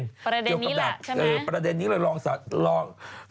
เกี่ยวกับระดับเออประเด็นนีเลยลองกับ